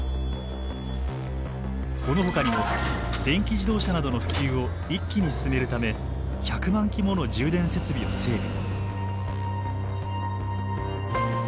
このほかにも電気自動車などの普及を一気に進めるため１００万基もの充電設備を整備。